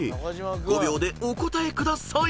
［５秒でお答えください］